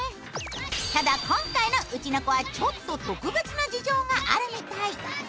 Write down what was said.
ただ今回のウチの子はちょっと特別な事情があるみたい。